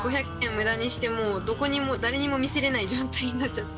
無駄にしてもうどこにも誰にも見せれない状態になっちゃって。